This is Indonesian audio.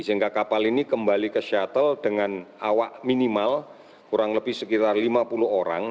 sehingga kapal ini kembali ke shuttle dengan awak minimal kurang lebih sekitar lima puluh orang